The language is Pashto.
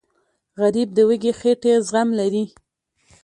غریب د وږې خېټې زغم لري